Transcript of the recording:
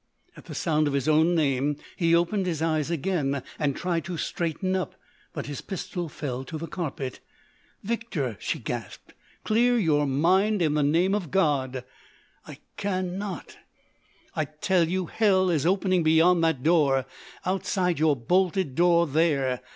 At the sound of his own name, he opened his eyes again and tried to straighten up, but his pistol fell to the carpet. "Victor!" she gasped, "clear your mind in the name of God!" "I can not——" "I tell you hell is opening beyond that door!—outside your bolted door, there!